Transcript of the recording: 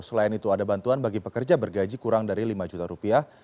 selain itu ada bantuan bagi pekerja bergaji kurang dari lima juta rupiah